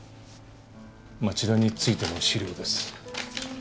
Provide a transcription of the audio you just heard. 町田についての資料です。